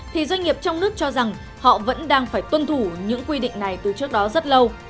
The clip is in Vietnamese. thì doanh nghiệp trong nước cho rằng họ vẫn đang phải tuân thủ những quy định này từ trước đó rất lâu